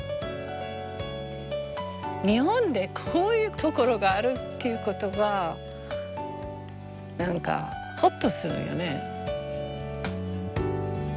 日本でこういう所があるっていうことが何かホッとするよね。